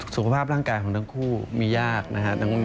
สุขภาพร่างกายของทั้งคู่มียากนะครับ